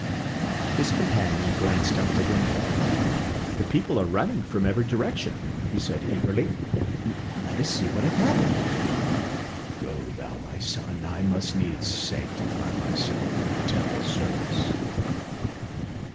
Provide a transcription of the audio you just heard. His companion glanced out of the window. "The people are running from every direction," he said eagerly. "Let us see what hath happened." "Go thou, my son. I must needs sanctify myself for the temple service."